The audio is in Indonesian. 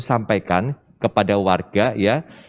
sampaikan kepada warga ya